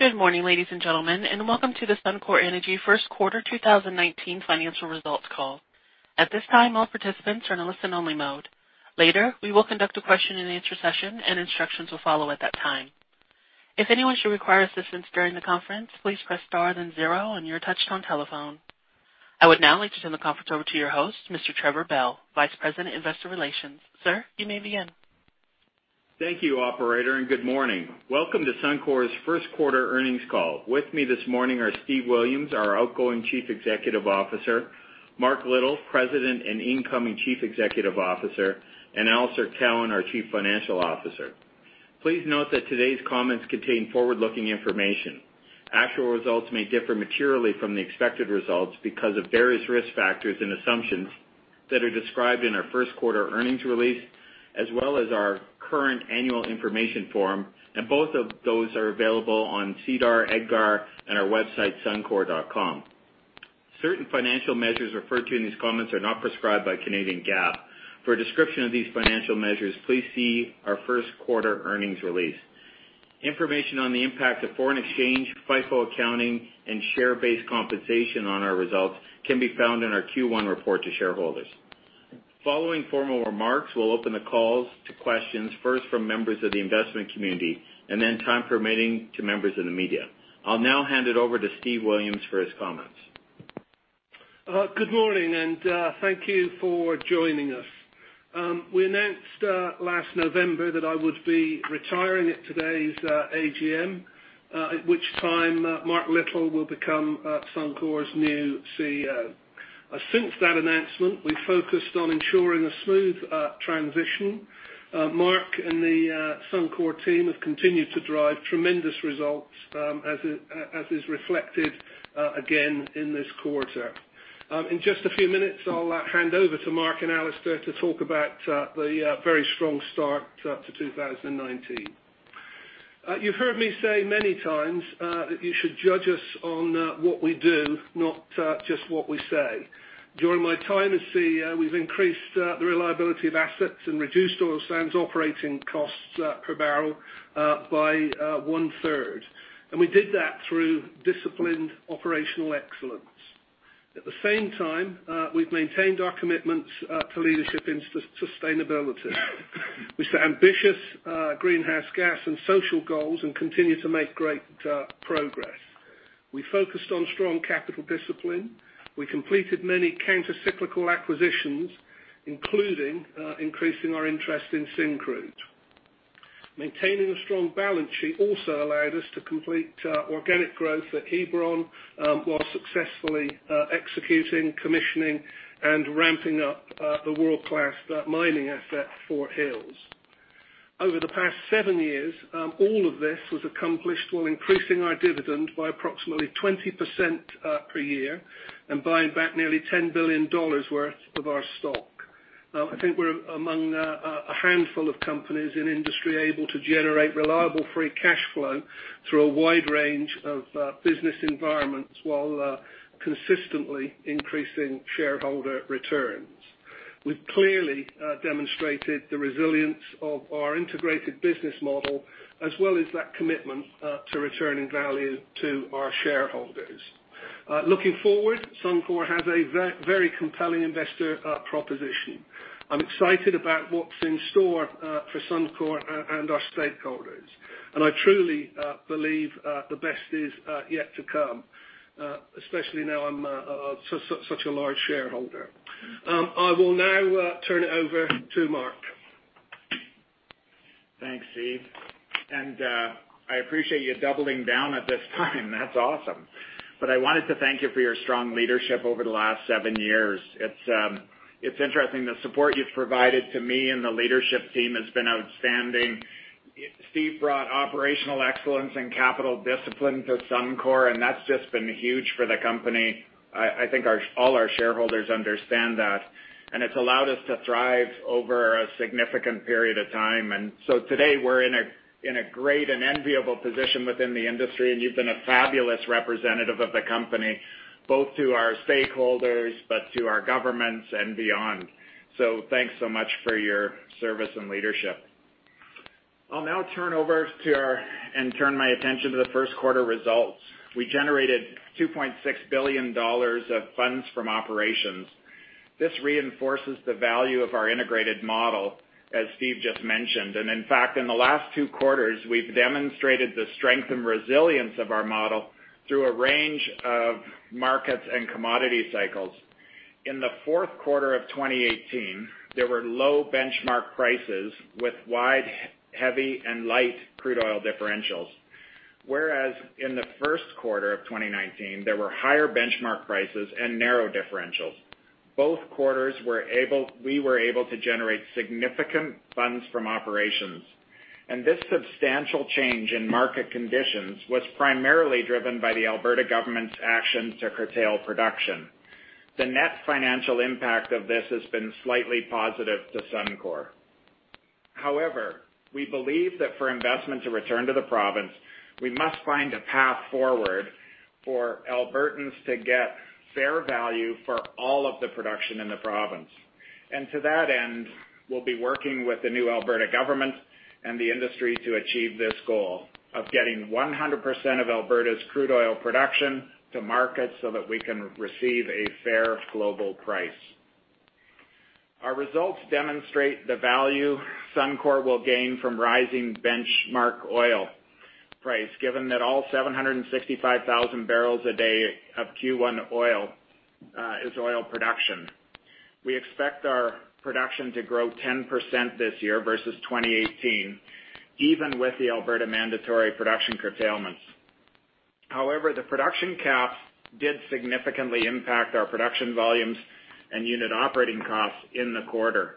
Good morning, ladies and gentlemen, and welcome to the Suncor Energy first quarter 2019 financial results call. At this time, all participants are in a listen-only mode. Later, we will conduct a question and answer session and instructions will follow at that time. If anyone should require assistance during the conference, please press star then zero on your touchtone telephone. I would now like to turn the conference over to your host, Mr. Trevor Bell, Vice President, Investor Relations. Sir, you may begin. Thank you operator, and good morning. Welcome to Suncor's first quarter earnings call. With me this morning are Steve Williams, our outgoing Chief Executive Officer, Mark Little, President and incoming Chief Executive Officer, and Alister Cowan, our Chief Financial Officer. Please note that today's comments contain forward-looking information. Actual results may differ materially from the expected results because of various risk factors and assumptions that are described in our first quarter earnings release, as well as our current annual information form. Both of those are available on SEDAR, EDGAR, and our website, suncor.com. Certain financial measures referred to in these comments are not prescribed by Canadian GAAP. For a description of these financial measures, please see our first quarter earnings release. Information on the impact of foreign exchange, FIFO accounting, and share-based compensation on our results can be found in our Q1 report to shareholders. Following formal remarks, we'll open the calls to questions, first from members of the investment community, and then time permitting, to members of the media. I'll now hand it over to Steve Williams for his comments. Good morning, and thank you for joining us. We announced last November that I would be retiring at today's AGM, at which time Mark Little will become Suncor's new CEO. Since that announcement, we've focused on ensuring a smooth transition. Mark and the Suncor team have continued to drive tremendous results as is reflected again in this quarter. In just a few minutes, I'll hand over to Mark and Alister to talk about the very strong start to 2019. You've heard me say many times that you should judge us on what we do, not just what we say. During my time as CEO, we've increased the reliability of assets and reduced oil sands operating costs per barrel by one-third, and we did that through disciplined operational excellence. At the same time, we've maintained our commitments to leadership and sustainability with ambitious greenhouse gas and social goals and continue to make great progress. We focused on strong capital discipline. We completed many counter-cyclical acquisitions, including increasing our interest in Syncrude. Maintaining a strong balance sheet also allowed us to complete organic growth at Hebron, while successfully executing, commissioning, and ramping up the world-class mining asset Fort Hills. Over the past seven years, all of this was accomplished while increasing our dividend by approximately 20% per year and buying back nearly 10 billion dollars worth of our stock. I think we're among a handful of companies in the industry able to generate reliable free cash flow through a wide range of business environments while consistently increasing shareholder returns. We've clearly demonstrated the resilience of our integrated business model, as well as that commitment to returning value to our shareholders. Looking forward, Suncor has a very compelling investor proposition. I'm excited about what's in store for Suncor and our stakeholders, and I truly believe the best is yet to come, especially now I'm such a large shareholder. I will now turn it over to Mark. Thanks, Steve. I appreciate you doubling down at this time. That's awesome. I wanted to thank you for your strong leadership over the last seven years. It's interesting, the support you've provided to me and the leadership team has been outstanding. Steve brought operational excellence and capital discipline to Suncor, and that's just been huge for the company. I think all our shareholders understand that, and it's allowed us to thrive over a significant period of time. Today, we're in a great and enviable position within the industry, and you've been a fabulous representative of the company, both to our stakeholders, but to our governments and beyond. Thanks so much for your service and leadership. I'll now turn over to our and turn my attention to the first quarter results. We generated 2.6 billion dollars of funds from operations. This reinforces the value of our integrated model, as Steve just mentioned. In fact, in the last two quarters, we've demonstrated the strength and resilience of our model through a range of markets and commodity cycles. In the fourth quarter of 2018, there were low benchmark prices with wide, heavy, and light crude oil differentials. Whereas in the first quarter of 2019, there were higher benchmark prices and narrow differentials. Both quarters, we were able to generate significant funds from operations. This substantial change in market conditions was primarily driven by the Alberta government's actions to curtail production. The net financial impact of this has been slightly positive to Suncor. However, we believe that for investment to return to the province, we must find a path forward for Albertans to get fair value for all of the production in the province. To that end, we'll be working with the new Alberta government and the industry to achieve this goal of getting 100% of Alberta's crude oil production to market so that we can receive a fair global price. Our results demonstrate the value Suncor will gain from rising benchmark oil price, given that all 765,000 barrels a day of Q1 oil is oil production. We expect our production to grow 10% this year versus 2018, even with the Alberta mandatory production curtailments. The production caps did significantly impact our production volumes and unit operating costs in the quarter.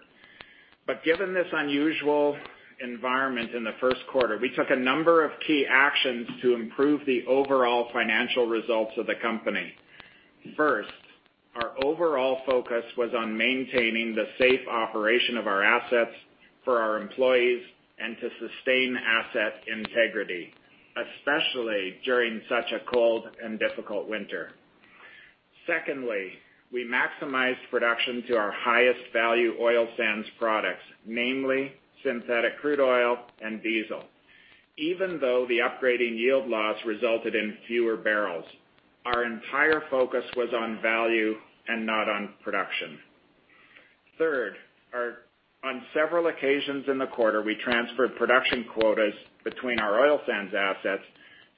Given this unusual environment in the first quarter, we took a number of key actions to improve the overall financial results of the company. First, our overall focus was on maintaining the safe operation of our assets for our employees and to sustain asset integrity, especially during such a cold and difficult winter. Secondly, we maximized production to our highest value oil sands products, namely synthetic crude oil and diesel. Even though the upgrading yield loss resulted in fewer barrels, our entire focus was on value and not on production. Third, on several occasions in the quarter, we transferred production quotas between our oil sands assets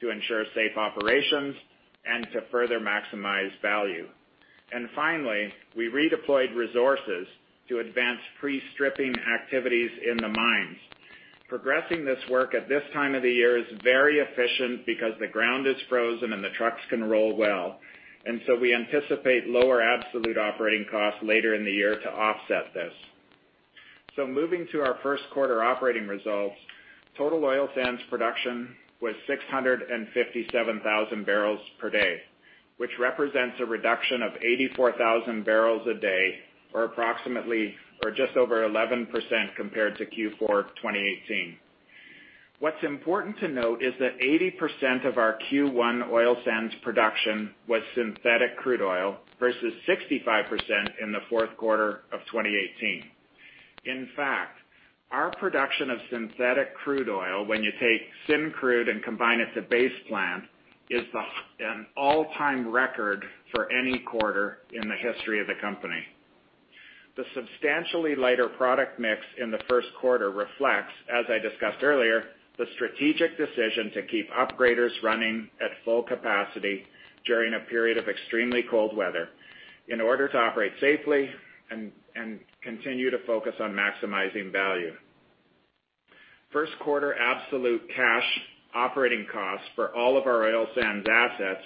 to ensure safe operations and to further maximize value. Finally, we redeployed resources to advance pre-stripping activities in the mines. Progressing this work at this time of the year is very efficient because the ground is frozen and the trucks can roll well, we anticipate lower absolute operating costs later in the year to offset this. Moving to our first quarter operating results, total oil sands production was 657,000 barrels per day, which represents a reduction of 84,000 barrels a day or just over 11% compared to Q4 2018. What's important to note is that 80% of our Q1 oil sands production was synthetic crude oil versus 65% in the fourth quarter of 2018. In fact, our production of synthetic crude oil, when you take syn crude and combine it to Base Plant, is an all-time record for any quarter in the history of the company. The substantially lighter product mix in the first quarter reflects, as I discussed earlier, the strategic decision to keep upgraders running at full capacity during a period of extremely cold weather in order to operate safely and continue to focus on maximizing value. First quarter absolute cash operating costs for all of our oil sands assets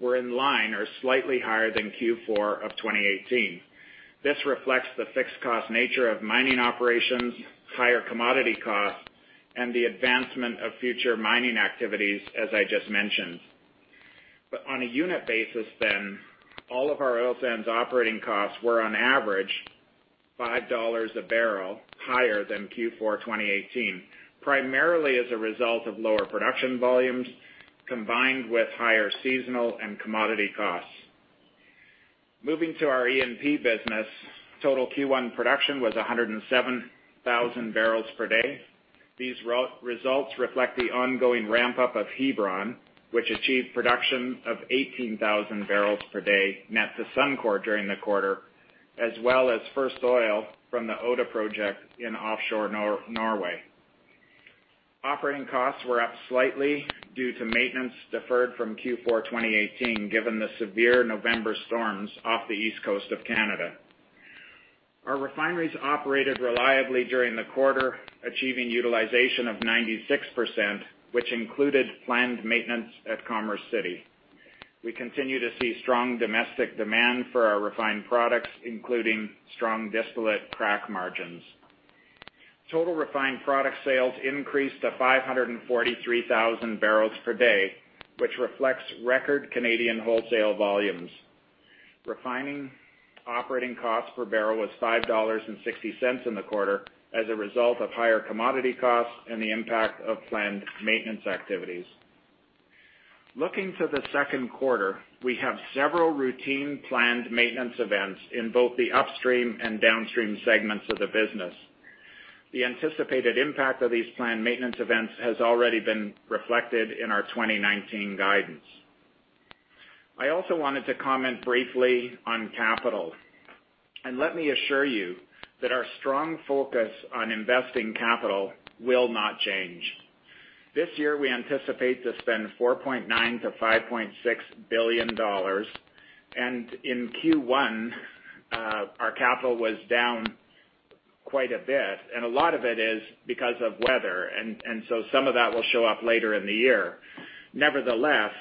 were in line or slightly higher than Q4 of 2018. This reflects the fixed cost nature of mining operations, higher commodity costs, and the advancement of future mining activities, as I just mentioned. On a unit basis then, all of our oil sands operating costs were on average 5 dollars a barrel higher than Q4 2018, primarily as a result of lower production volumes combined with higher seasonal and commodity costs. Moving to our E&P business, total Q1 production was 107,000 barrels per day. These results reflect the ongoing ramp-up of Hebron, which achieved production of 18,000 barrels per day net to Suncor during the quarter, as well as first oil from the Oda Project in offshore Norway. Operating costs were up slightly due to maintenance deferred from Q4 2018, given the severe November storms off the east coast of Canada. Our refineries operated reliably during the quarter, achieving utilization of 96%, which included planned maintenance at Commerce City. We continue to see strong domestic demand for our refined products, including strong distillate crack margins. Total refined product sales increased to 543,000 barrels per day, which reflects record Canadian wholesale volumes. Refining operating costs per barrel was 5.60 dollars in the quarter as a result of higher commodity costs and the impact of planned maintenance activities. Looking to the second quarter, we have several routine planned maintenance events in both the upstream and downstream segments of the business. The anticipated impact of these planned maintenance events has already been reflected in our 2019 guidance. I also wanted to comment briefly on capital. Let me assure you that our strong focus on investing capital will not change. This year, we anticipate to spend 4.9 billion-5.6 billion dollars. In Q1, our capital was down quite a bit, and a lot of it is because of weather. Some of that will show up later in the year. Nevertheless,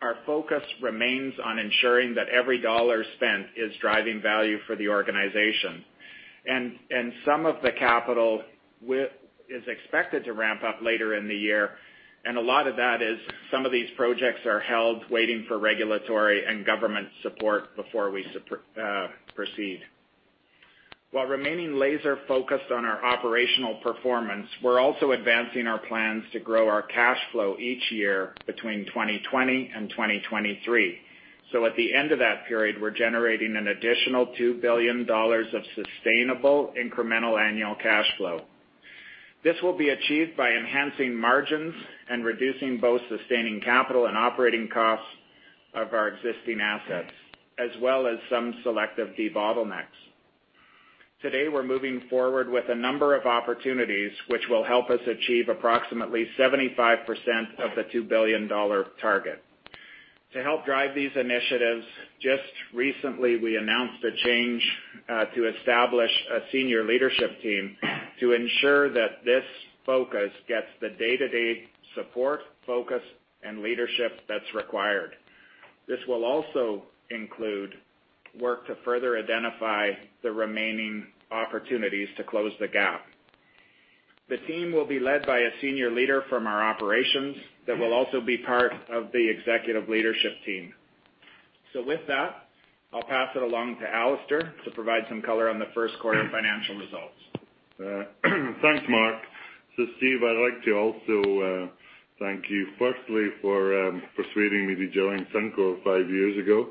our focus remains on ensuring that every dollar spent is driving value for the organization. Some of the capital is expected to ramp up later in the year, and a lot of that is some of these projects are held waiting for regulatory and government support before we proceed. While remaining laser-focused on our operational performance, we're also advancing our plans to grow our cash flow each year between 2020 and 2023. At the end of that period, we're generating an additional 2 billion dollars of sustainable incremental annual cash flow. This will be achieved by enhancing margins and reducing both sustaining capital and operating costs of our existing assets, as well as some selective debottlenecks. Today, we're moving forward with a number of opportunities which will help us achieve approximately 75% of the 2 billion dollar target. To help drive these initiatives, just recently, we announced a change to establish a senior leadership team to ensure that this focus gets the day-to-day support, focus, and leadership that's required. This will also include work to further identify the remaining opportunities to close the gap. The team will be led by a senior leader from our operations that will also be part of the executive leadership team. With that, I'll pass it along to Alister to provide some color on the first quarter financial results. Thanks, Mark. Steve, I'd like to also thank you, firstly, for persuading me to join Suncor five years ago.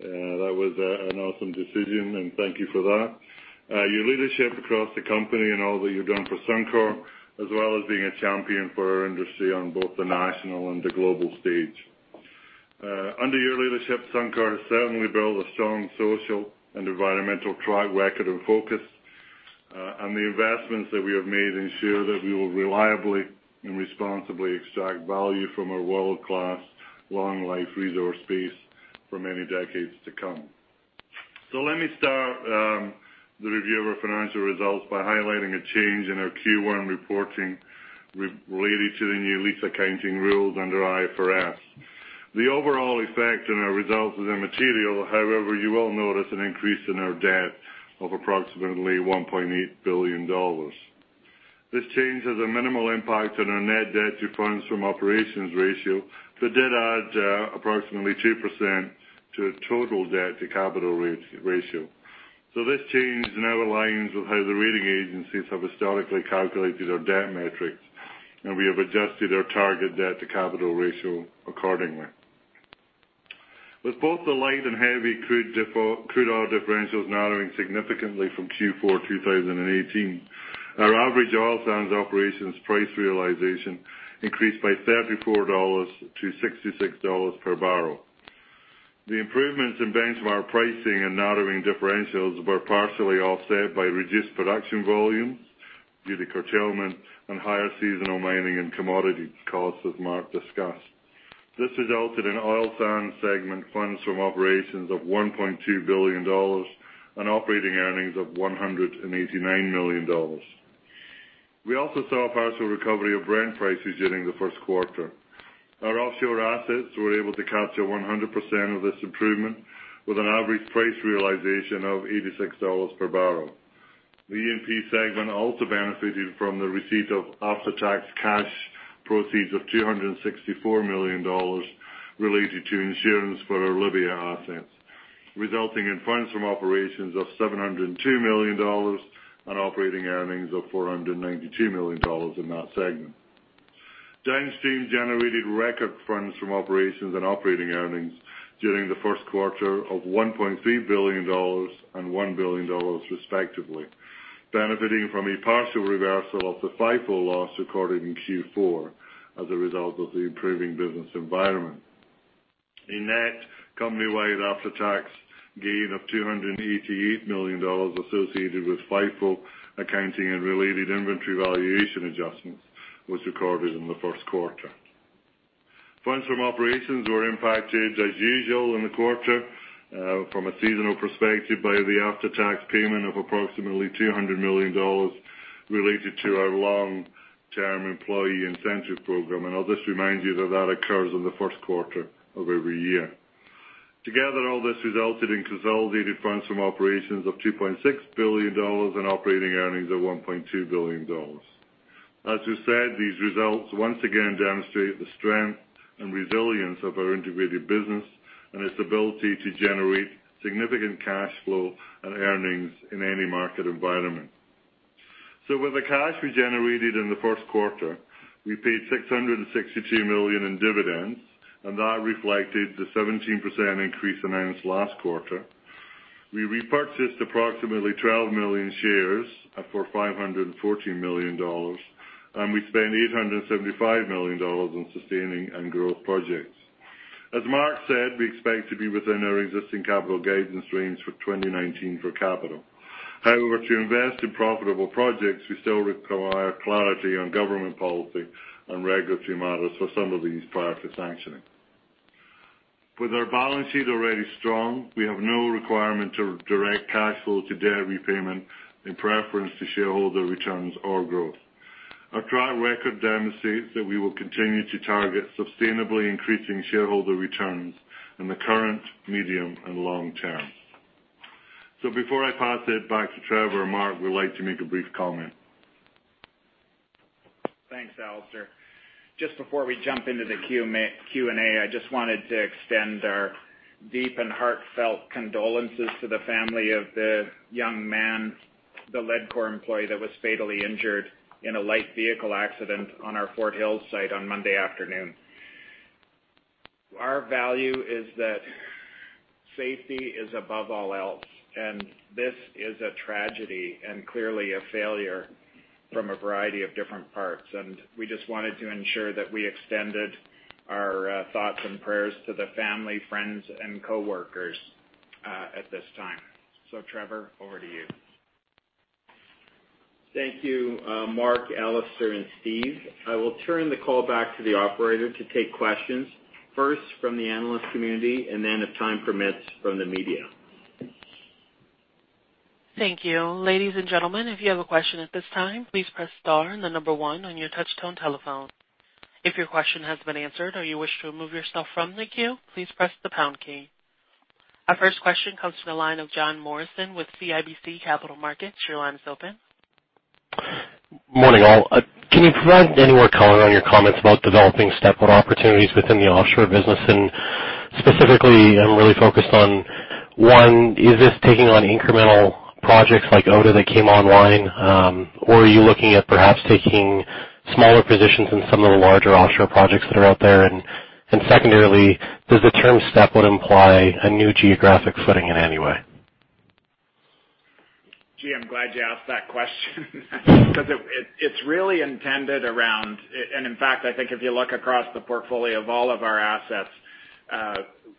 That was an awesome decision, and thank you for that. Your leadership across the company and all that you've done for Suncor, as well as being a champion for our industry on both the national and the global stage. Under your leadership, Suncor has certainly built a strong social and environmental track record and focus. The investments that we have made ensure that we will reliably and responsibly extract value from a world-class, long-life resource base for many decades to come. Let me start the review of our financial results by highlighting a change in our Q1 reporting related to the new lease accounting rules under IFRS. The overall effect on our results is immaterial. However, you will notice an increase in our debt of approximately 1.8 billion dollars. This change has a minimal impact on our net debt to funds from operations ratio, but did add approximately 2% to total debt to capital ratio. This change now aligns with how the rating agencies have historically calculated our debt metrics, and we have adjusted our target debt to capital ratio accordingly. With both the light and heavy crude oil differentials narrowing significantly from Q4 2018, our average oil sands operations price realization increased by 34 dollars to 66 dollars per barrel. The improvements in benchmark pricing and narrowing differentials were partially offset by reduced production volumes due to curtailment and higher seasonal mining and commodity costs, as Mark discussed. This resulted in oil sands segment funds from operations of 1.2 billion dollars and operating earnings of 189 million dollars. We also saw a partial recovery of Brent prices during the first quarter. Our offshore assets were able to capture 100% of this improvement with an average price realization of 86 dollars per barrel. The E&P segment also benefited from the receipt of after-tax cash proceeds of 264 million dollars related to insurance for our Libya assets, resulting in funds from operations of 702 million dollars and operating earnings of 492 million dollars in that segment. Downstream generated record funds from operations and operating earnings during the first quarter of 1.3 billion dollars and 1 billion dollars respectively, benefiting from a partial reversal of the FIFO loss recorded in Q4 as a result of the improving business environment. A net company-wide after-tax gain of 288 million dollars associated with FIFO accounting and related inventory valuation adjustments was recorded in the first quarter. Funds from operations were impacted as usual in the quarter from a seasonal perspective by the after-tax payment of approximately 200 million dollars related to our long-term employee incentive program. I'll just remind you that that occurs in the first quarter of every year. Together, all this resulted in consolidated funds from operations of 2.6 billion dollars and operating earnings of 1.2 billion dollars. As we said, these results once again demonstrate the strength and resilience of our integrated business and its ability to generate significant cash flow and earnings in any market environment. With the cash we generated in the first quarter, we paid 662 million in dividends, and that reflected the 17% increase announced last quarter. We repurchased approximately 12 million shares for 514 million dollars, and we spent 875 million dollars on sustaining and growth projects. As Mark said, we expect to be within our existing capital guidance range for 2019 for capital. However, to invest in profitable projects, we still require clarity on government policy and regulatory matters for some of these prior to sanctioning. With our balance sheet already strong, we have no requirement to direct cash flow to debt repayment in preference to shareholder returns or growth. Our track record demonstrates that we will continue to target sustainably increasing shareholder returns in the current, medium, and long term. Before I pass it back to Trevor, Mark, would like to make a brief comment. Thanks, Alister. Just before we jump into the Q&A, I just wanted to extend our deep and heartfelt condolences to the family of the young man, the Ledcor employee that was fatally injured in a light vehicle accident on our Fort Hills site on Monday afternoon. Our value is that safety is above all else, and this is a tragedy and clearly a failure from a variety of different parts. We just wanted to ensure that we extended our thoughts and prayers to the family, friends, and coworkers at this time. Trevor, over to you. Thank you, Mark, Alister, and Steve. I will turn the call back to the operator to take questions, first from the analyst community and then, if time permits, from the media. Thank you. Ladies and gentlemen, if you have a question at this time, please press star and the number one on your touch-tone telephone. If your question has been answered or you wish to remove yourself from the queue, please press the pound key. Our first question comes from the line of John Morrison with CIBC Capital Markets. Your line is open. Morning, all. Can you provide any more color on your comments about developing step-out opportunities within the offshore business? Specifically, I'm really focused on, one, is this taking on incremental projects like Oda that came online, or are you looking at perhaps taking smaller positions in some of the larger offshore projects that are out there? Secondarily, does the term step-out imply a new geographic footing in any way? Gee, I'm glad you asked that question because it's really intended around. In fact, I think if you look across the portfolio of all of our assets,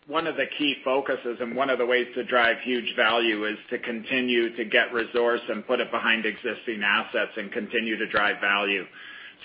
one of the key focuses and one of the ways to drive huge value is to continue to get resource and put it behind existing assets and continue to drive value.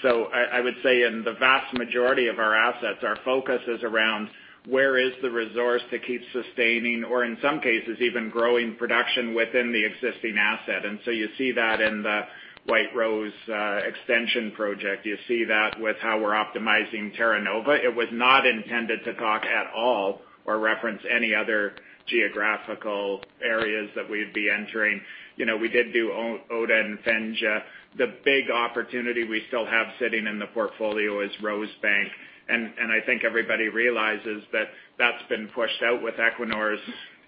I would say in the vast majority of our assets, our focus is around where is the resource to keep sustaining or, in some cases, even growing production within the existing asset. You see that in the White Rose Extension Project. You see that with how we're optimizing Terra Nova. It was not intended to talk at all or reference any other geographical areas that we'd be entering. We did do Oda and Fenja. The big opportunity we still have sitting in the portfolio is Rosebank, and I think everybody realizes that that's been pushed out with Equinor's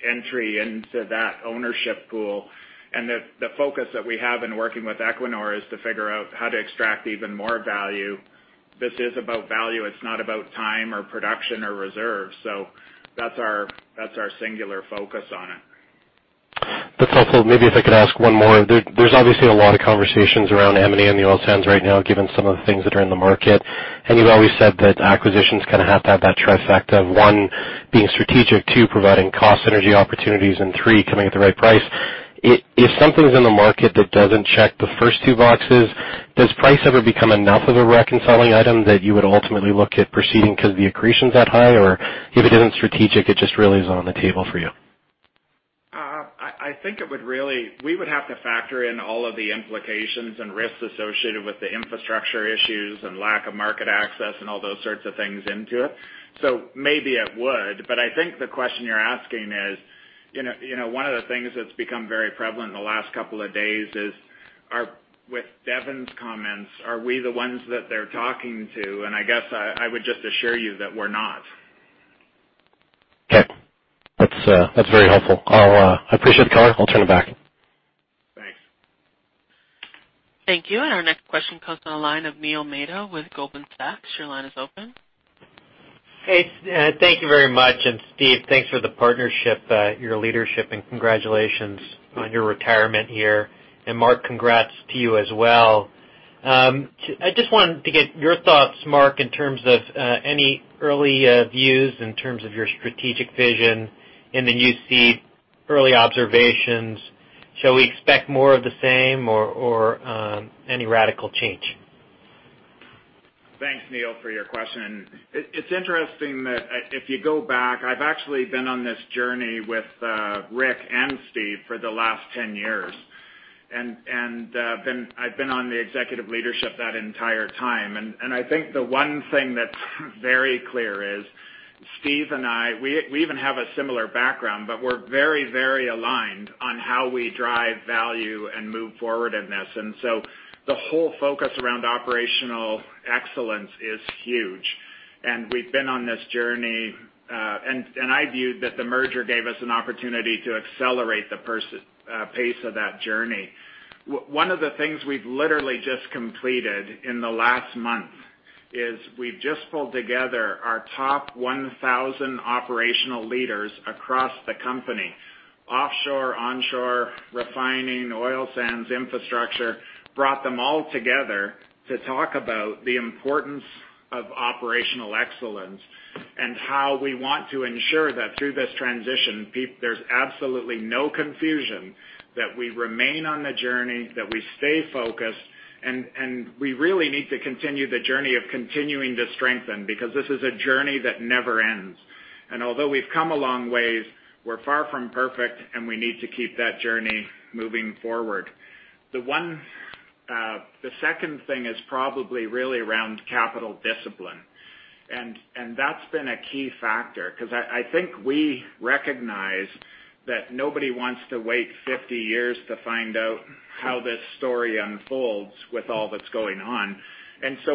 entry into that ownership pool. The focus that we have in working with Equinor is to figure out how to extract even more value. This is about value. It's not about time or production or reserves. That's our singular focus on it. That's helpful. Maybe if I could ask one more. There's obviously a lot of conversations around M&A in the oil sands right now, given some of the things that are in the market. You've always said that acquisitions kind of have to have that trifecta of, one, being strategic, two, providing cost synergy opportunities, and three, coming at the right price. If something's in the market that doesn't check the first two boxes, does price ever become enough of a reconciling item that you would ultimately look at proceeding because the accretion's that high, or if it isn't strategic, it just really isn't on the table for you? I think we would have to factor in all of the implications and risks associated with the infrastructure issues and lack of market access and all those sorts of things into it. Maybe it would, but I think the question you're asking is, one of the things that's become very prevalent in the last couple of days is, with Devon's comments, are we the ones that they're talking to? I guess I would just assure you that we're not. Okay. That's very helpful. I appreciate the color. I'll turn it back. Thanks. Thank you. Our next question comes from the line of Neil Mehta with Goldman Sachs. Your line is open. Hey, thank you very much. Steve, thanks for the partnership, your leadership, and congratulations on your retirement here. Mark, congrats to you as well. I just wanted to get your thoughts, Mark, in terms of any early views in terms of your strategic vision and then you see early observations. Shall we expect more of the same or any radical change? Thanks, Neil, for your question. It's interesting that if you go back, I've actually been on this journey with Rick and Steve for the last 10 years. I've been on the executive leadership that entire time. I think the one thing that's very clear is Steve and I, we even have a similar background, but we're very aligned on how we drive value and move forward in this. The whole focus around operational excellence is huge. We've been on this journey, and I viewed that the merger gave us an opportunity to accelerate the pace of that journey. One of the things we've literally just completed in the last month is we've just pulled together our top 1,000 operational leaders across the company, offshore, onshore, refining, oil sands, infrastructure, brought them all together to talk about the importance of operational excellence and how we want to ensure that through this transition, there's absolutely no confusion that we remain on the journey, that we stay focused, and we really need to continue the journey of continuing to strengthen, because this is a journey that never ends. Although we've come a long way, we're far from perfect, and we need to keep that journey moving forward. The second thing is probably really around capital discipline, and that's been a key factor because I think we recognize that nobody wants to wait 50 years to find out how this story unfolds with all that's going on.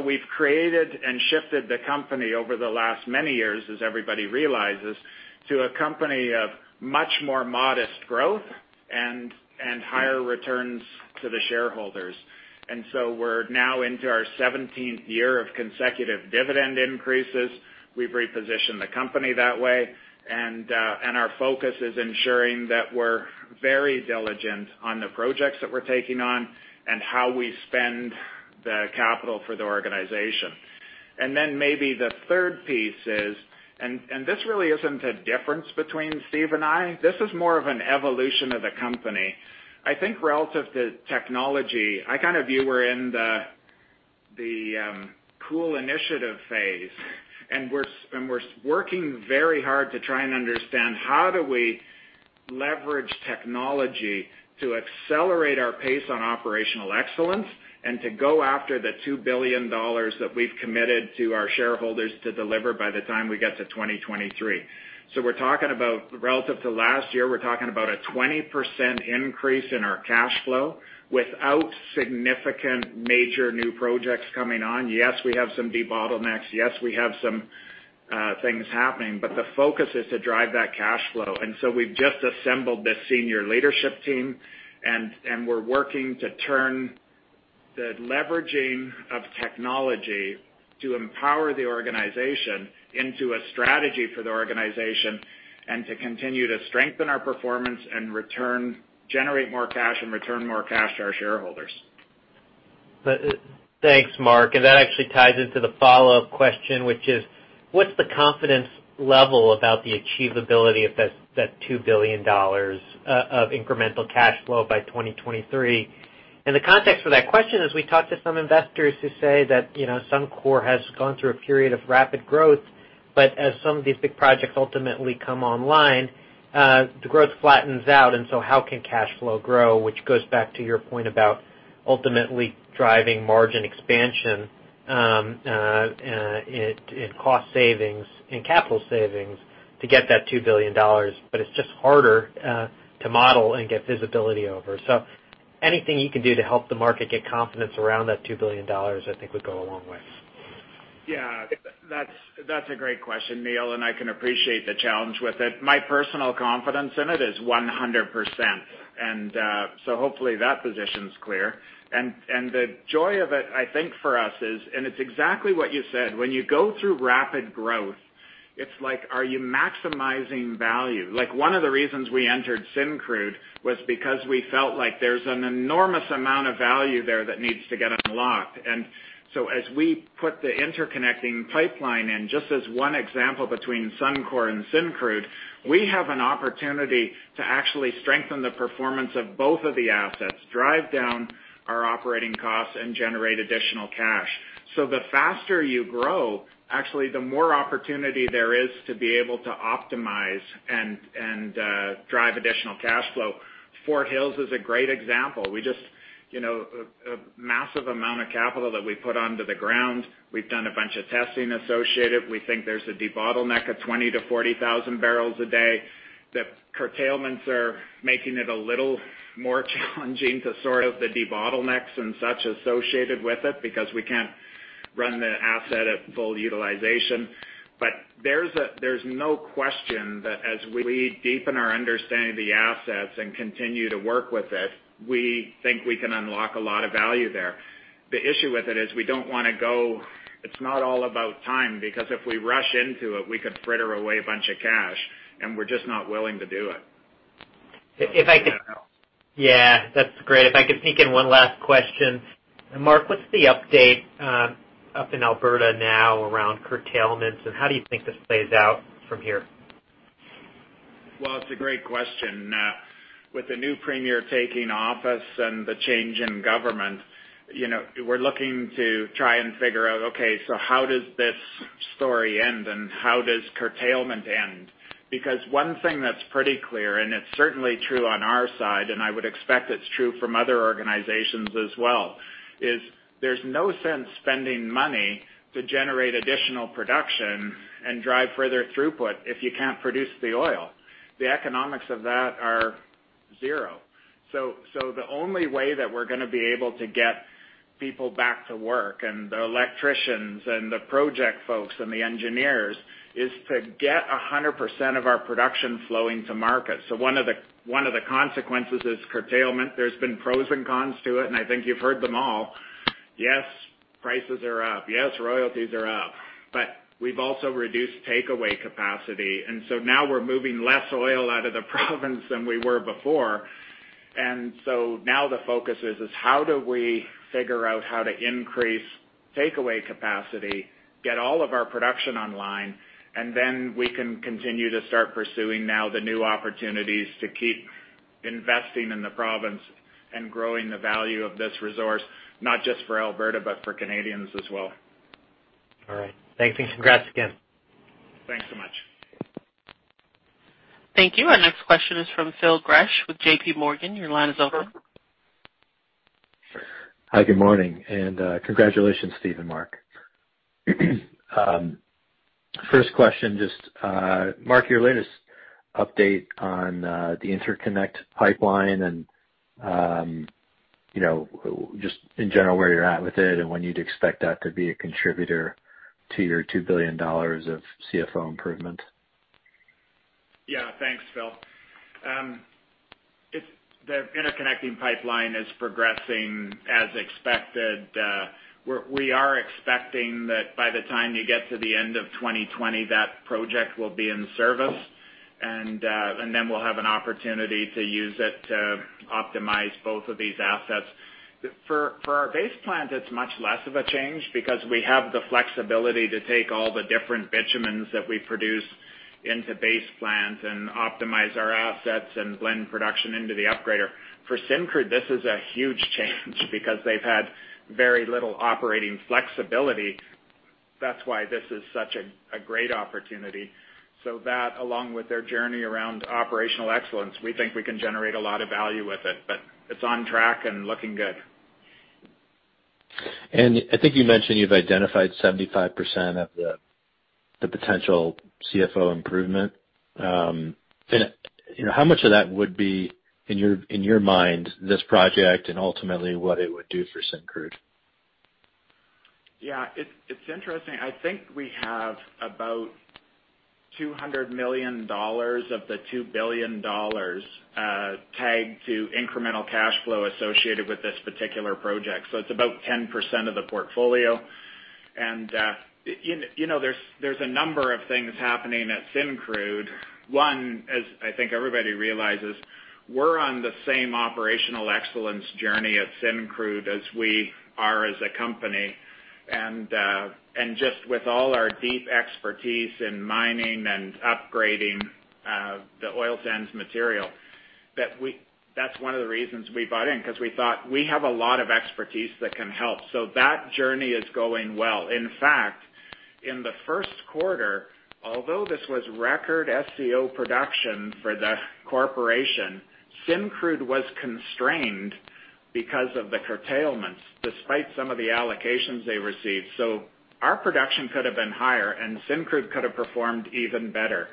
We've created and shifted the company over the last many years, as everybody realizes, to a company of much more modest growth and higher returns to the shareholders. We're now into our 17th year of consecutive dividend increases. We've repositioned the company that way, and our focus is ensuring that we're very diligent on the projects that we're taking on and how we spend the capital for the organization. Maybe the third piece is, this really isn't a difference between Steve and I, this is more of an evolution of the company. I think relative to technology, I kind of view we're in the cool initiative phase. We're working very hard to try and understand how do we leverage technology to accelerate our pace on operational excellence and to go after the 2 billion dollars that we've committed to our shareholders to deliver by the time we get to 2023. We're talking about, relative to last year, we're talking about a 20% increase in our cash flow without significant, major new projects coming on. Yes, we have some debottlenecks. Yes, we have some things happening. The focus is to drive that cash flow. We've just assembled this senior leadership team, and we're working to turn the leveraging of technology to empower the organization into a strategy for the organization and to continue to strengthen our performance and generate more cash and return more cash to our shareholders. Thanks, Mark, that actually ties into the follow-up question, which is, what's the confidence level about the achievability of that 2 billion dollars of incremental cash flow by 2023? The context for that question is we talked to some investors who say that Suncor has gone through a period of rapid growth, but as some of these big projects ultimately come online, how can cash flow grow? Which goes back to your point about ultimately driving margin expansion in cost savings, in capital savings to get that 2 billion dollars, but it's just harder to model and get visibility over. Anything you can do to help the market get confidence around that 2 billion dollars, I think would go a long way. Yeah. That's a great question, Neil, and I can appreciate the challenge with it. My personal confidence in it is 100%. Hopefully that position's clear. The joy of it, I think, for us is, and it's exactly what you said, when you go through rapid growth, it's like, are you maximizing value? One of the reasons we entered Syncrude was because we felt like there's an enormous amount of value there that needs to get unlocked. As we put the interconnecting pipeline in, just as one example between Suncor and Syncrude, we have an opportunity to actually strengthen the performance of both of the assets, drive down our operating costs, and generate additional cash. The faster you grow, actually, the more opportunity there is to be able to optimize and drive additional cash flow. Fort Hills is a great example. A massive amount of capital that we put onto the ground. We've done a bunch of testing associated. We think there's a debottleneck of 20,000-40,000 barrels a day. The curtailments are making it a little more challenging to sort out the debottlenecks and such associated with it, because we can't run the asset at full utilization. There's no question that as we deepen our understanding of the assets and continue to work with it, we think we can unlock a lot of value there. The issue with it is we don't want to. It's not all about time, because if we rush into it, we could fritter away a bunch of cash, and we're just not willing to do it. Yeah. That's great. If I could sneak in one last question. Mark, what's the update up in Alberta now around curtailments, and how do you think this plays out from here? Well, it's a great question. With the new premier taking office and the change in government, we're looking to try and figure out, okay, how does this story end, and how does curtailment end? One thing that's pretty clear, and it's certainly true on our side, and I would expect it's true from other organizations as well, is there's no sense spending money to generate additional production and drive further throughput if you can't produce the oil. The economics of that are zero. The only way that we're going to be able to get people back to work, and the electricians and the project folks and the engineers, is to get 100% of our production flowing to market. One of the consequences is curtailment. There's been pros and cons to it, and I think you've heard them all. Yes, prices are up. Yes, royalties are up. We've also reduced takeaway capacity. Now we're moving less oil out of the province than we were before. Now the focus is how do we figure out how to increase takeaway capacity, get all of our production online, and then we can continue to start pursuing now the new opportunities to keep investing in the province and growing the value of this resource, not just for Alberta, but for Canadians as well. All right. Thanks, and congrats again. Thanks so much. Thank you. Our next question is from Phil Gresh with J.P. Morgan. Your line is open. Hi, good morning, and congratulations, Steve and Mark. First question, just Mark, your latest update on the interconnect pipeline and just in general, where you're at with it and when you'd expect that to be a contributor to your 2 billion dollars of CFO improvement. Yeah, thanks, Phil. The interconnecting pipeline is progressing as expected. We are expecting that by the time you get to the end of 2020, that project will be in service, and then we'll have an opportunity to use it to optimize both of these assets. For our Base Plant, it's much less of a change because we have the flexibility to take all the different bitumens that we produce into Base Plant and optimize our assets and blend production into the upgrader. For Syncrude, this is a huge change because they've had very little operating flexibility. That's why this is such a great opportunity. That, along with their journey around operational excellence, we think we can generate a lot of value with it. It's on track and looking good. I think you mentioned you've identified 75% of the potential CFO improvement. How much of that would be, in your mind, this project and ultimately what it would do for Syncrude? Yeah. It's interesting. I think we have about 200 million dollars of the 2 billion dollars tagged to incremental cash flow associated with this particular project. It's about 10% of the portfolio. There's a number of things happening at Syncrude. One, as I think everybody realizes, we're on the same operational excellence journey at Syncrude as we are as a company. Just with all our deep expertise in mining and upgrading the oil sands material, that's one of the reasons we bought in, because we thought we have a lot of expertise that can help. That journey is going well. In fact, in the first quarter, although this was record SCO production for the corporation, Syncrude was constrained because of the curtailments, despite some of the allocations they received. Our production could have been higher, and Syncrude could have performed even better.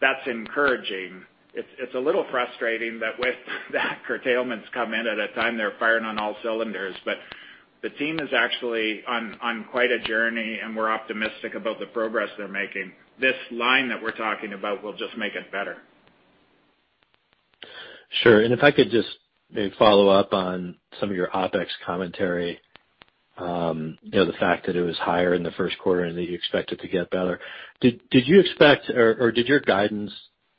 That's encouraging. It's a little frustrating that with that curtailments come in at a time they're firing on all cylinders. The team is actually on quite a journey, and we're optimistic about the progress they're making. This line that we're talking about will just make it better. Sure. If I could just maybe follow up on some of your OpEx commentary. The fact that it was higher in the first quarter and that you expect it to get better. Did you expect or did your guidance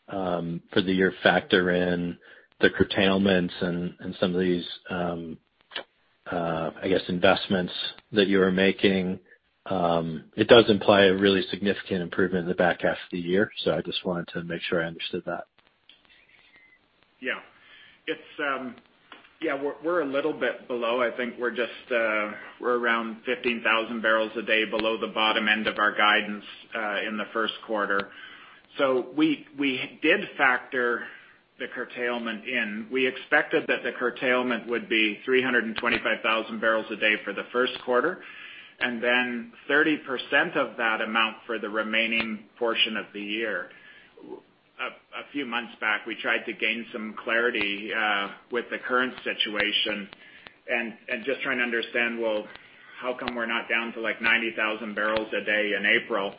for the year factor in the curtailments and some of these, I guess, investments that you are making? It does imply a really significant improvement in the back half of the year, so I just wanted to make sure I understood that. Yeah. We're a little bit below. I think we're around 15,000 barrels a day below the bottom end of our guidance in the first quarter. We did factor the curtailment in. We expected that the curtailment would be 325,000 barrels a day for the first quarter, and then 30% of that amount for the remaining portion of the year. A few months back, we tried to gain some clarity with the current situation and just trying to understand, well, how come we're not down to like 90,000 barrels a day in April?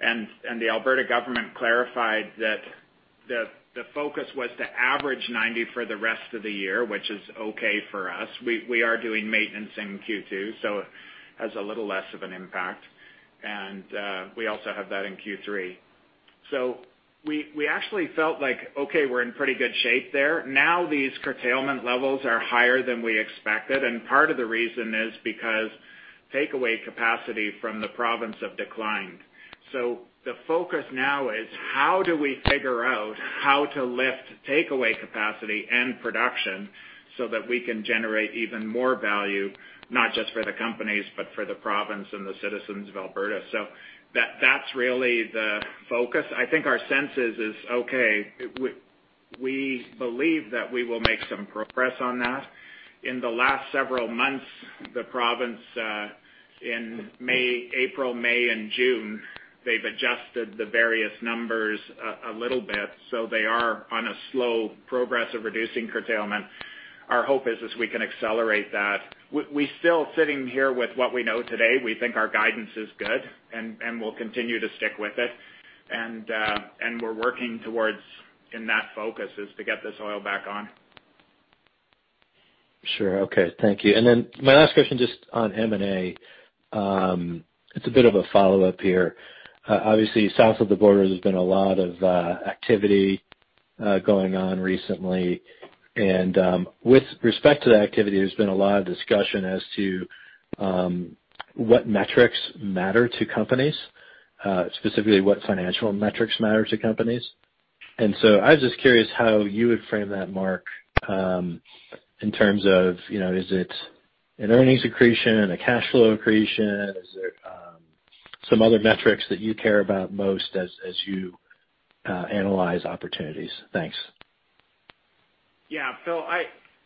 The Alberta government clarified that the focus was to average 90 for the rest of the year, which is okay for us. We are doing maintenance in Q2, it has a little less of an impact. We also have that in Q3. We actually felt like, okay, we're in pretty good shape there. These curtailment levels are higher than we expected, and part of the reason is because takeaway capacity from the province have declined. The focus now is how do we figure out how to lift takeaway capacity and production so that we can generate even more value, not just for the companies, but for the province and the citizens of Alberta. That's really the focus. I think our sense is, okay, we believe that we will make some progress on that. In the last several months, the province in April, May, and June, they've adjusted the various numbers a little bit. They are on a slow progress of reducing curtailment. Our hope is we can accelerate that. We still sitting here with what we know today. We think our guidance is good, and we'll continue to stick with it. We're working towards, in that focus, is to get this oil back on. Sure. Okay. Thank you. My last question, just on M&A. It's a bit of a follow-up here. Obviously, south of the border, there's been a lot of activity going on recently. With respect to that activity, there's been a lot of discussion as to what metrics matter to companies, specifically what financial metrics matter to companies. I was just curious how you would frame that, Mark, in terms of, is it an earnings accretion, a cash flow accretion? Is there some other metrics that you care about most as you analyze opportunities? Thanks. Yeah. Phil,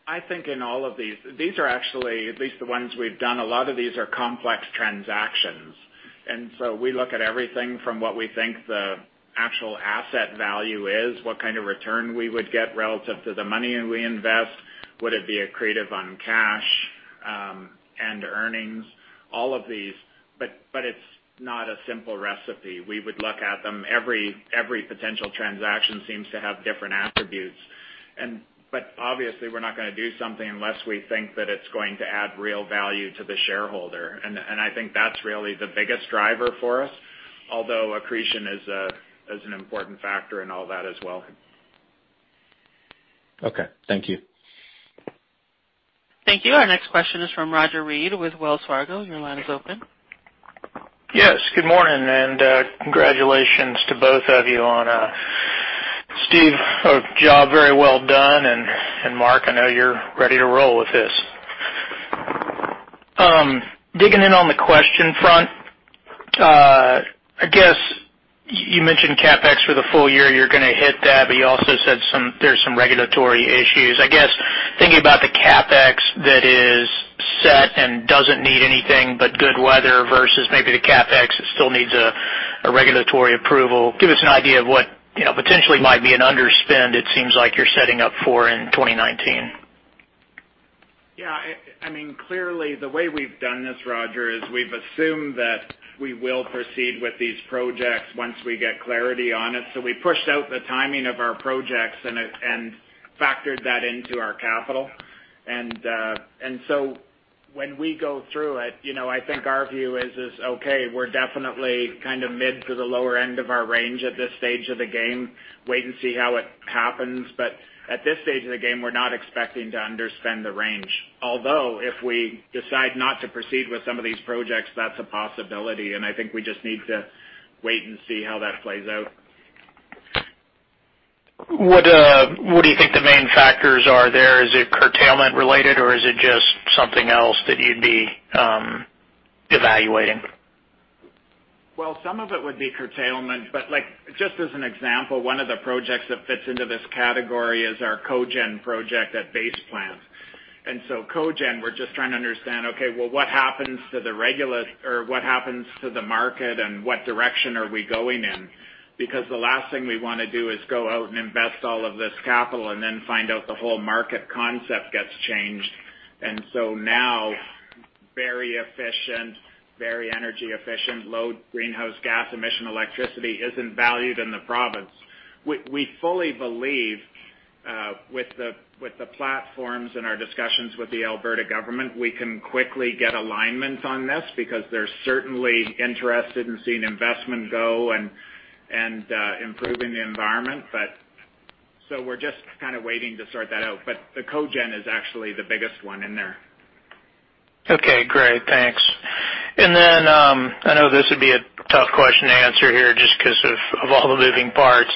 I think in all of these are actually, at least the ones we've done, a lot of these are complex transactions. So we look at everything from what we think the actual asset value is, what kind of return we would get relative to the money we invest, would it be accretive on cash and earnings, all of these, but it's not a simple recipe. We would look at them. Every potential transaction seems to have different attributes. Obviously we're not going to do something unless we think that it's going to add real value to the shareholder. I think that's really the biggest driver for us, although accretion is an important factor in all that as well. Okay, thank you. Thank you. Our next question is from Roger Read with Wells Fargo. Your line is open. Yes. Good morning. Congratulations to both of you. Steve, a job very well done, and Mark, I know you're ready to roll with this. Digging in on the question front, you mentioned CapEx for the full year, you're going to hit that, but you also said there's some regulatory issues. Thinking about the CapEx that is set and doesn't need anything but good weather versus maybe the CapEx that still needs a regulatory approval, give us an idea of what potentially might be an underspend it seems like you're setting up for in 2019. Yeah. Clearly, the way we've done this, Roger, is we've assumed that we will proceed with these projects once we get clarity on it. We pushed out the timing of our projects and factored that into our capital. When we go through it, I think our view is, okay, we're definitely mid to the lower end of our range at this stage of the game. Wait and see how it happens. At this stage of the game, we're not expecting to underspend the range. Although, if we decide not to proceed with some of these projects, that's a possibility, and I think we just need to wait and see how that plays out. What do you think the main factors are there? Is it curtailment related, or is it just something else that you'd be evaluating? Well, some of it would be curtailment, but just as an example, one of the projects that fits into this category is our Cogen project at Base Plant. Cogen, we're just trying to understand, okay, well, what happens to the market and what direction are we going in? The last thing we want to do is go out and invest all of this capital and then find out the whole market concept gets changed. Now, very efficient, very energy efficient, low greenhouse gas emission electricity isn't valued in the province. We fully believe, with the platforms and our discussions with the Alberta government, we can quickly get alignment on this because they're certainly interested in seeing investment go and improving the environment. We're just kind of waiting to sort that out. The Cogen is actually the biggest one in there. Okay, great. Thanks. Then, I know this would be a tough question to answer here just because of all the moving parts.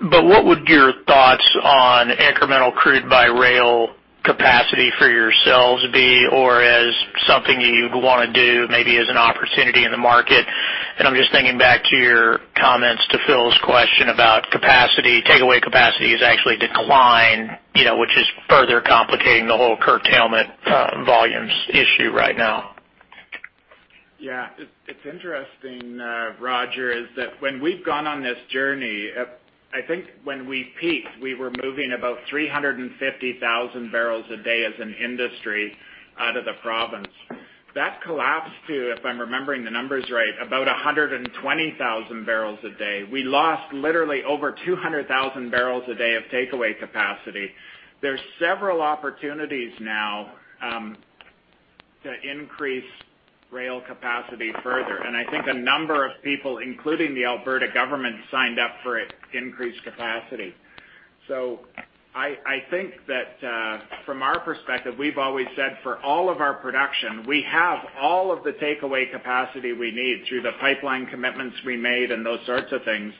What would your thoughts on incremental crude by rail capacity for yourselves be, or as something you'd want to do, maybe as an opportunity in the market? I'm just thinking back to your comments to Phil's question about takeaway capacity has actually declined, which is further complicating the whole curtailment volumes issue right now. Yeah. It's interesting, Roger, is that when we've gone on this journey, I think when we peaked, we were moving about 350,000 barrels a day as an industry out of the province. That collapsed to, if I'm remembering the numbers right, about 120,000 barrels a day. We lost literally over 200,000 barrels a day of takeaway capacity. There's several opportunities now to increase rail capacity further, and I think a number of people, including the Alberta government, signed up for increased capacity. I think that from our perspective, we've always said for all of our production, we have all of the takeaway capacity we need through the pipeline commitments we made and those sorts of things.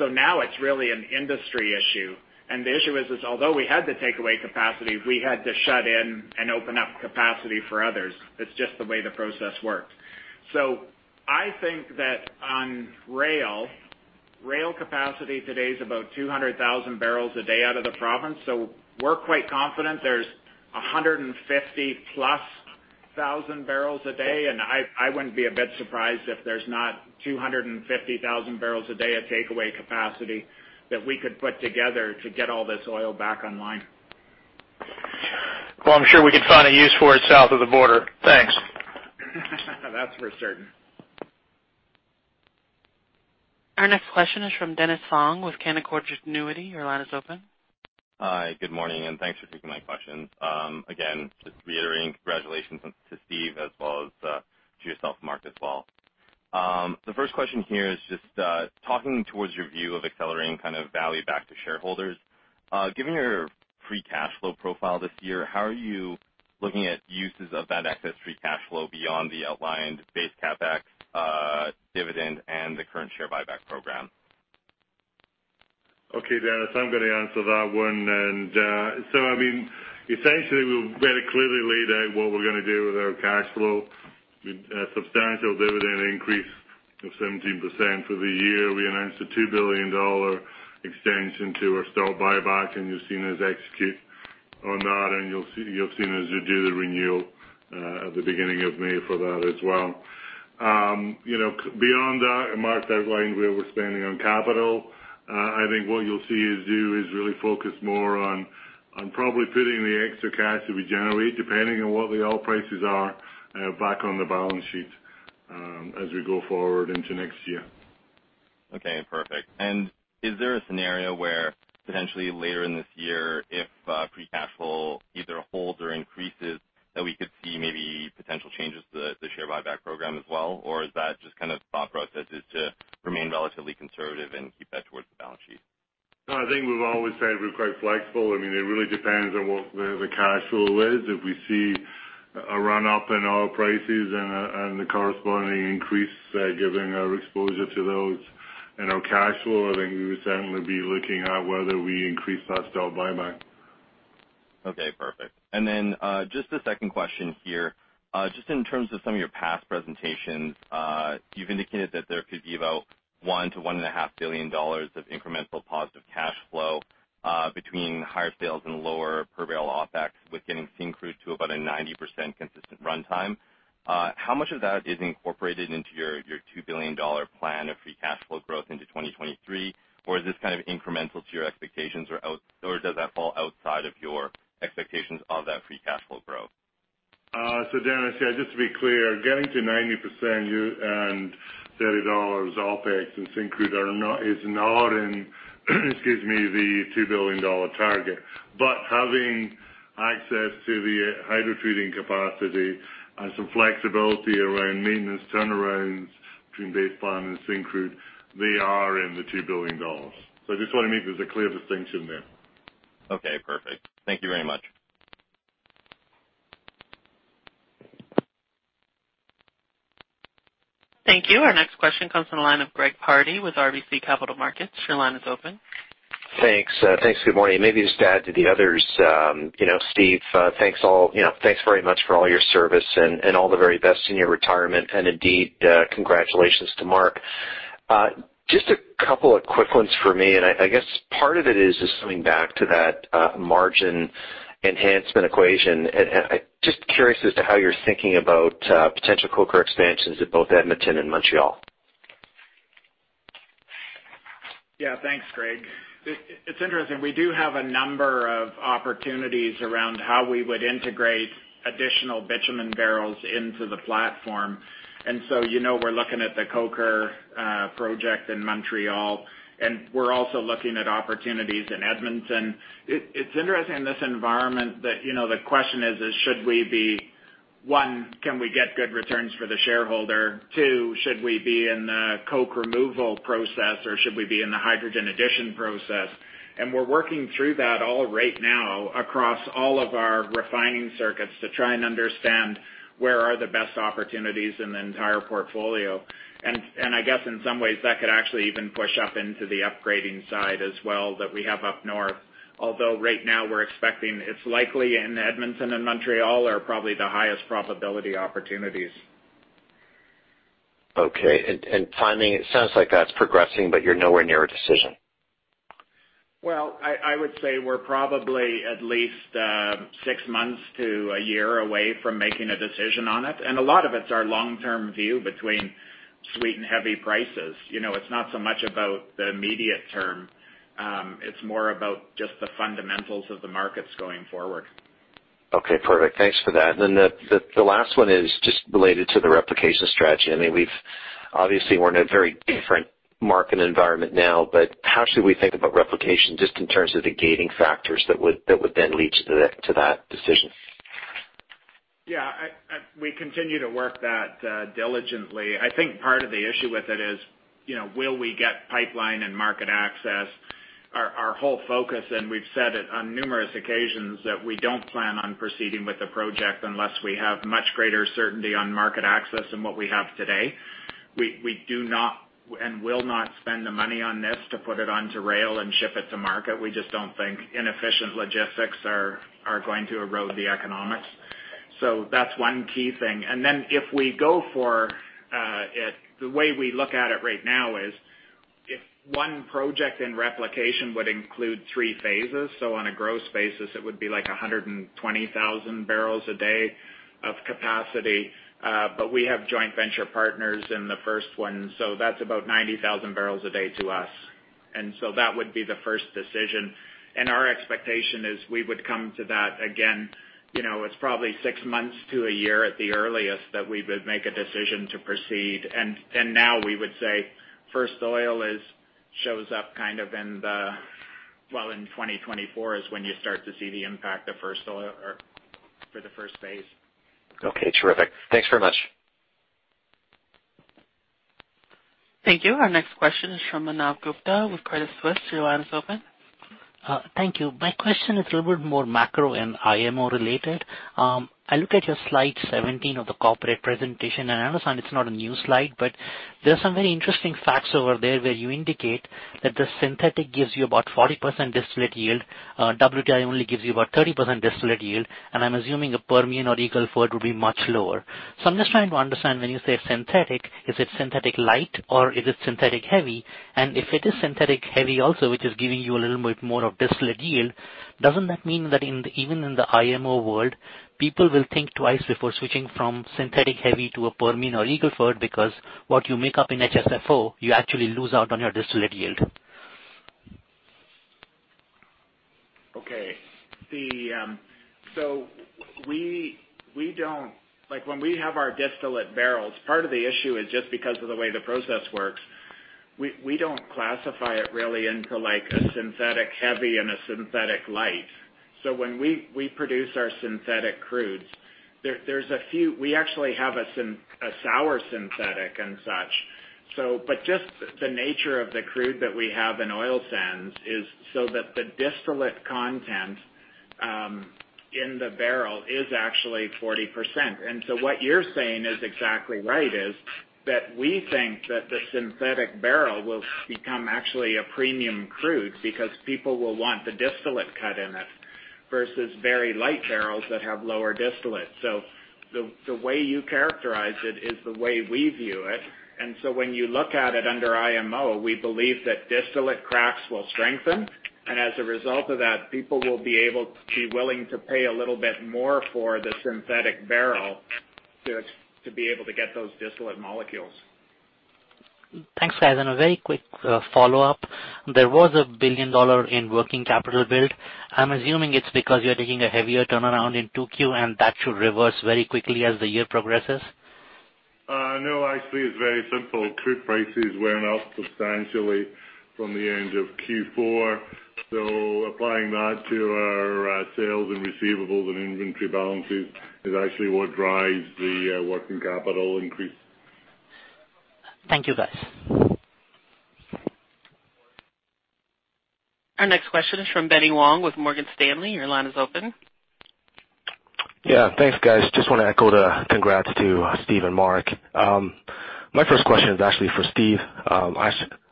Now it's really an industry issue, and the issue is, although we had the takeaway capacity, we had to shut in and open up capacity for others. That's just the way the process worked. I think that on rail capacity today is about 200,000 barrels a day out of the province. We're quite confident there's 150-plus thousand barrels a day, and I wouldn't be a bit surprised if there's not 250,000 barrels a day of takeaway capacity that we could put together to get all this oil back online. Well, I'm sure we could find a use for it south of the border. Thanks. That's for certain. Our next question is from Dennis Fong with Canaccord Genuity. Your line is open. Hi. Good morning. Thanks for taking my questions. Again, just reiterating congratulations to Steve as well as to yourself, Mark, as well. The first question here is just talking towards your view of accelerating value back to shareholders. Given your free cash flow profile this year, how are you looking at uses of that excess free cash flow beyond the outlined base CapEx dividend and the current share buyback program? Okay, Dennis, I'm going to answer that one. Essentially, we very clearly laid out what we're going to do with our cash flow. A substantial dividend increase of 17% for the year. We announced a 2 billion dollar extension to our stock buyback, and you've seen us execute on that, and you'll see as you do the renew at the beginning of May for that as well. Beyond that, Mark outlined where we're spending on capital. I think what you'll see us do is really focus more on probably putting the extra cash that we generate, depending on what the oil prices are, back on the balance sheet as we go forward into next year. Okay, perfect. Is there a scenario where potentially later in this year, if free cash flow either holds or increases, that we could see maybe potential changes to the share buyback program as well? Is that just thought process is to remain relatively conservative and keep that towards the balance sheet? I think we've always said we're quite flexible. It really depends on what the cash flow is. If we see a run-up in oil prices and the corresponding increase, given our exposure to those in our cash flow, we would certainly be looking at whether we increase our stock buyback. Okay, perfect. Just a second question here. Just in terms of some of your past presentations, you've indicated that there could be about 1 billion-1.5 billion dollars of incremental positive cash flow between higher sales and lower per barrel OPEX with getting Syncrude to about a 90% consistent runtime. How much of that is incorporated into your 2 billion dollar plan of free cash flow growth into 2023? Is this incremental to your expectations, or does that fall outside of your expectations of that free cash flow growth? Dennis, just to be clear, getting to 90% and 30 dollars OPEX in Syncrude is not in, excuse me, the 2 billion dollar target. Having access to the hydrotreating capacity and some flexibility around maintenance turnarounds between Base Plant and Syncrude, they are in the 2 billion dollars. I just want to make there's a clear distinction there. Okay, perfect. Thank you very much. Thank you. Our next question comes from the line of Greg Pardy with RBC Capital Markets. Your line is open. Thanks. Good morning. Just to add to the others. Steve, thanks very much for all your service and all the very best in your retirement, and indeed, congratulations to Mark. A couple of quick ones for me, I guess part of it is just coming back to that margin enhancement equation. Curious as to how you're thinking about potential coker expansions at both Edmonton and Montreal. Yeah, thanks, Greg. It's interesting, we do have a number of opportunities around how we would integrate additional bitumen barrels into the platform. We're looking at the coker project in Montreal, and we're also looking at opportunities in Edmonton. It's interesting in this environment that the question is, 1, can we get good returns for the shareholder? 2, should we be in the coke removal process, or should we be in the hydrogen addition process? We're working through that all right now across all of our refining circuits to try and understand where are the best opportunities in the entire portfolio. I guess in some ways, that could actually even push up into the upgrading side as well that we have up north. Although right now we're expecting it's likely in Edmonton and Montreal are probably the highest probability opportunities. Okay. Timing, it sounds like that's progressing, but you're nowhere near a decision. Well, I would say we're probably at least six months to a year away from making a decision on it. A lot of it's our long-term view between sweet and heavy prices. It's not so much about the immediate term. It's more about just the fundamentals of the markets going forward. Okay, perfect. Thanks for that. The last one is just related to the replication strategy. Obviously, we're in a very different market environment now, but how should we think about replication just in terms of the gating factors that would then lead to that decision? Yeah. We continue to work that diligently. I think part of the issue with it is will we get pipeline and market access? Our whole focus, we've said it on numerous occasions, that we don't plan on proceeding with the project unless we have much greater certainty on market access than what we have today. We do not and will not spend the money on this to put it onto rail and ship it to market. We just don't think inefficient logistics are going to erode the economics. That's one key thing. If we go for it, the way we look at it right now is if one project in replication would include three phases. On a gross basis, it would be like 120,000 barrels a day of capacity. We have joint venture partners in the first one, so that's about 90,000 barrels a day to us. That would be the first decision. Our expectation is we would come to that, again, it's probably six months to a year at the earliest that we would make a decision to proceed. We would say first oil shows up in 2024 is when you start to see the impact of first oil or for the first phase. Okay, terrific. Thanks very much. Thank you. Our next question is from Manav Gupta with Credit Suisse. Your line is open. Thank you. My question is a little bit more macro and IMO related. I look at your slide 17 of the corporate presentation, and I understand it's not a new slide, but There are some very interesting facts over there where you indicate that the synthetic gives you about 40% distillate yield. WTI only gives you about 30% distillate yield, and I'm assuming a Permian or Eagle Ford would be much lower. I'm just trying to understand, when you say synthetic, is it synthetic light or is it synthetic heavy? If it is synthetic heavy also, which is giving you a little bit more of distillate yield, doesn't that mean that even in the IMO world, people will think twice before switching from synthetic heavy to a Permian or Eagle Ford? What you make up in HSFO, you actually lose out on your distillate yield. Okay. When we have our distillate barrels, part of the issue is just because of the way the process works. We don't classify it really into a synthetic heavy and a synthetic light. When we produce our synthetic crudes, we actually have a sour synthetic and such. Just the nature of the crude that we have in oil sands is so that the distillate content, in the barrel is actually 40%. What you're saying is exactly right, is that we think that the synthetic barrel will become actually a premium crude because people will want the distillate cut in it versus very light barrels that have lower distillate. The way you characterize it is the way we view it. When you look at it under IMO, we believe that distillate cracks will strengthen, and as a result of that, people will be able to be willing to pay a little bit more for the synthetic barrel to be able to get those distillate molecules. Thanks, guys. A very quick follow-up. There was a 1 billion dollar in working capital build. I am assuming it is because you are taking a heavier turnaround in 2Q, and that should reverse very quickly as the year progresses. No, actually, it is very simple. Crude prices went up substantially from the end of Q4. Applying that to our sales and receivables and inventory balances is actually what drives the working capital increase. Thank you, guys. Our next question is from Benny Wong with Morgan Stanley. Your line is open. Yeah, thanks guys. Just want to echo the congrats to Steve and Mark. My first question is actually for Steve.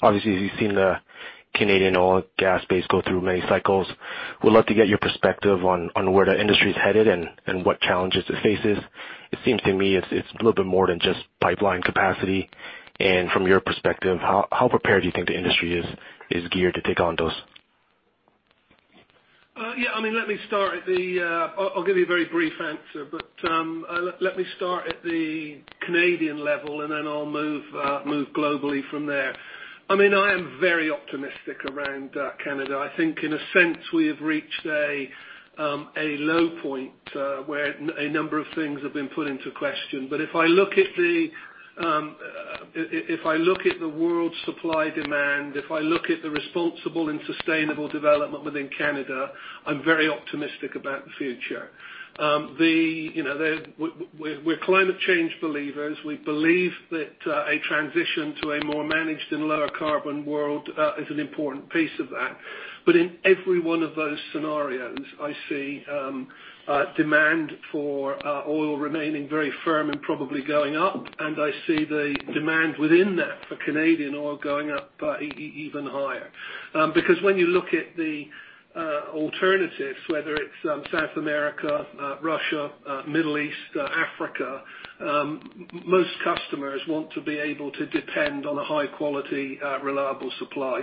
Obviously, you've seen the Canadian oil gas space go through many cycles. Would love to get your perspective on where the industry is headed and what challenges it faces. It seems to me it's a little bit more than just pipeline capacity. From your perspective, how prepared do you think the industry is geared to take on those? Yeah. I'll give you a very brief answer, but let me start at the Canadian level, and then I'll move globally from there. I am very optimistic around Canada. I think in a sense, we have reached a low point, where a number of things have been put into question. If I look at the world supply-demand, if I look at the responsible and sustainable development within Canada, I'm very optimistic about the future. We're climate change believers. We believe that a transition to a more managed and lower carbon world is an important piece of that. In every one of those scenarios, I see demand for oil remaining very firm and probably going up, and I see the demand within that for Canadian oil going up even higher. When you look at the alternatives, whether it's South America, Russia, Middle East, Africa, most customers want to be able to depend on a high-quality, reliable supply.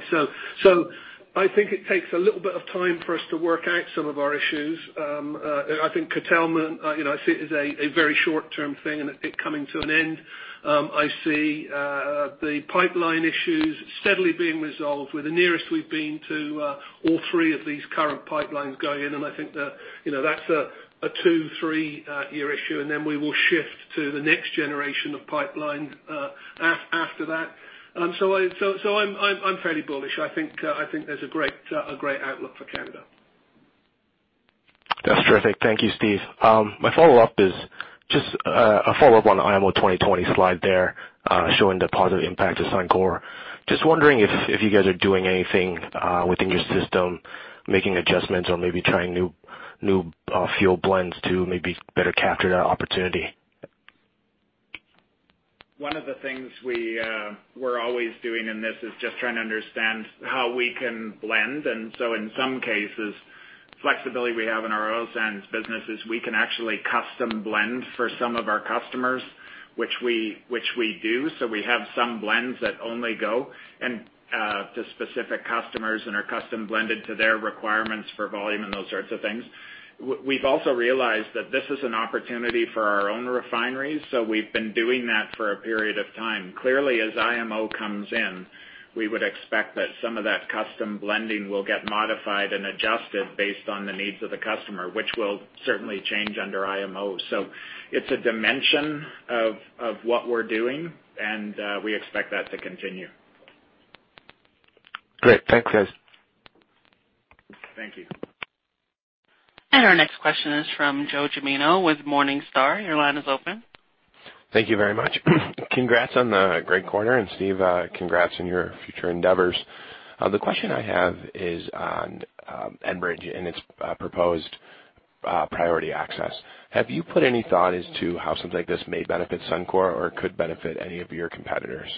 I think it takes a little bit of time for us to work out some of our issues. I think curtailment I see as a very short-term thing and it coming to an end. I see the pipeline issues steadily being resolved. We're the nearest we've been to all three of these current pipelines going in, and I think that's a two, three-year issue, and then we will shift to the next generation of pipelines after that. I'm fairly bullish. I think there's a great outlook for Canada. That's terrific. Thank you, Steve. My follow-up is just a follow-up on the IMO 2020 slide there, showing the positive impact to Suncor. Just wondering if you guys are doing anything within your system, making adjustments or maybe trying new fuel blends to maybe better capture that opportunity. One of the things we're always doing in this is just trying to understand how we can blend. In some cases, flexibility we have in our oil sands business is we can actually custom blend for some of our customers, which we do. We have some blends that only go to specific customers and are custom blended to their requirements for volume and those sorts of things. We've also realized that this is an opportunity for our own refineries, so we've been doing that for a period of time. Clearly, as IMO comes in, we would expect that some of that custom blending will get modified and adjusted based on the needs of the customer, which will certainly change under IMO. It's a dimension of what we're doing, and we expect that to continue. Great. Thanks, guys. Thank you. Our next question is from Joe Gemino with Morningstar. Your line is open. Thank you very much. Congrats on the great quarter, and Steve, congrats on your future endeavors. The question I have is on Enbridge and its proposed priority access. Have you put any thought as to how something like this may benefit Suncor or could benefit any of your competitors?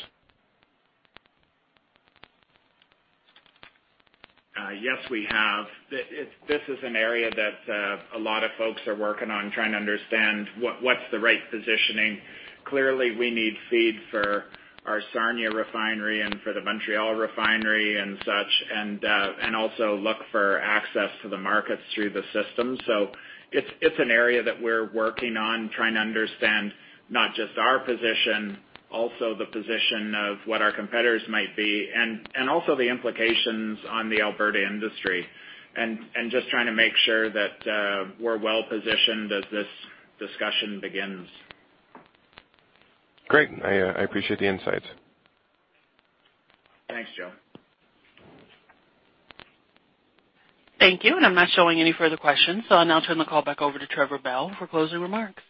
Yes, we have. This is an area that a lot of folks are working on trying to understand what's the right positioning. Clearly, we need feed for our Sarnia refinery and for the Montreal refinery and such, and also look for access to the markets through the system. It's an area that we're working on trying to understand not just our position, also the position of what our competitors might be and also the implications on the Alberta industry, and just trying to make sure that we're well-positioned as this discussion begins. Great. I appreciate the insights. Thanks, Joe. Thank you. I'm not showing any further questions, so I'll now turn the call back over to Trevor Bell for closing remarks.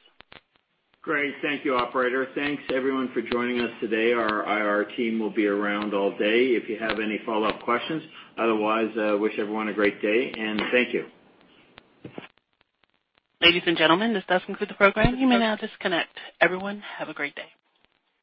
Great. Thank you, operator. Thanks everyone for joining us today. Our IR team will be around all day if you have any follow-up questions. Otherwise, wish everyone a great day, and thank you. Ladies and gentlemen, this does conclude the program. You may now disconnect. Everyone, have a great day.